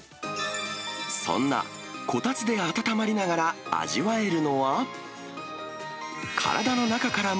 そんなこたつで温まりながら味わえるのは。